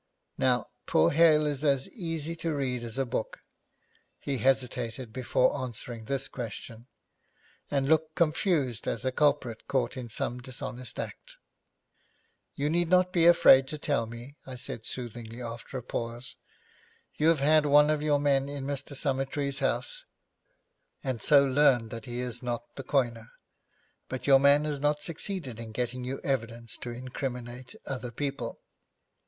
Now poor Hale is as easy to read as a book. He hesitated before answering this question, and looked confused as a culprit caught in some dishonest act. 'You need not be afraid to tell me,' I said soothingly after a pause. 'You have had one of your men in Mr. Summertrees' house, and so learned that he is not the coiner. But your man has not succeeded in getting you evidence to incriminate other people.'